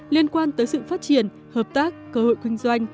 liên quan tới sự phát triển hợp tác cơ hội kinh doanh